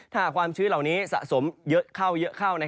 ถ้าหากความชื้นเหล่านี้สะสมเยอะเข้าเยอะเข้า